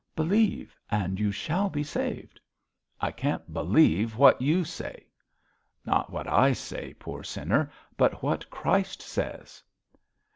'Believe and you shall be saved.' 'I can't believe what you say.' 'Not what I say, poor sinner, but what Christ says.'